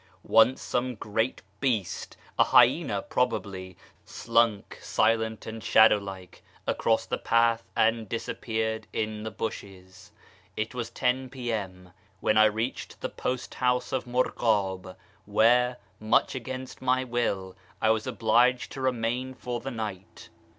Once some great beast — a hyffina, probably — slunk, silent and shadow like, across the path and disappeared in the bushes. It was 1 0 p.m. when I reached the post house of Murghab, where, much against my will, I was obliged to remain for the night.